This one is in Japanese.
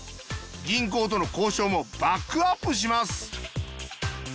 銀行との交渉もバックアップします。